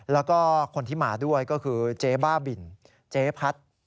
แล้วก็คนที่มาด้วยก็คือเจ๊บ้าบินเจ๊พัด